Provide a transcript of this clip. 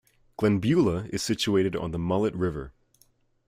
Glenbeulah is situated on the Mullet River.